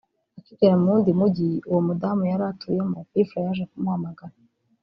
akigera mu w’undi mujyi uwo mudamu yari atuyemo P Fla yaje kumuhamagara